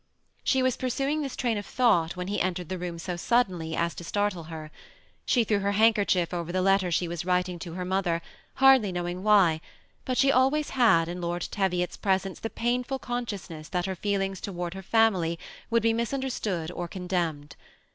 She was pursuing this train of thought, when he THE SEMI ATTACHED COUPLE. 201 entered the room so suddenly as to startle her. She threw her handkerchief over the letter she was writing to her mother, hardly knowing why, but she always had in Lord Teviot's presence the painful consciousness that . her feelings towards her family would be misunderstood or condemned.